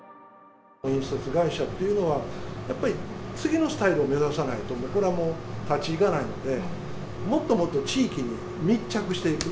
印刷会社っていうのは、やっぱり次のスタイルを目指さないと、これはもう立ち行かないので、もっともっと地域に密着していく。